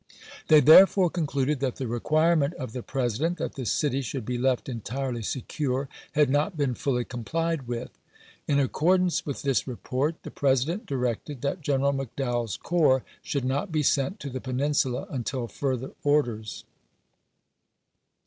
They therefore concluded " that the requirement of the President, that the city should be left entirely secure, had not been fully complied with." In accordance with this report the Presi dent directed that General McDowell's corps should not be sent to the Peninsula until further orders.